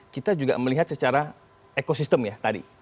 kita juga melihat secara ekosistem ya tadi